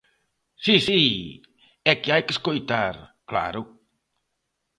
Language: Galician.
Si, si, é que hai que escoitar, claro.